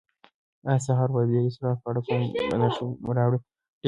آیا سهار به د دې اسرار په اړه کومه بله نښه راوړي؟